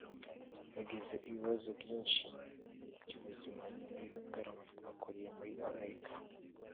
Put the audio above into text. yagize ibibazo byinshi by’ubuzima nyuma y’ibitaramo twakoreye muri Amerika